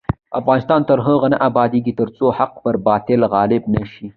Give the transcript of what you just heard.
افغانستان تر هغو نه ابادیږي، ترڅو حق پر باطل غالب نشي.